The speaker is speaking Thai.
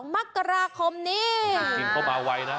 ๒๒มักราคมนี้ค่ะจีนพบเอาไวนะ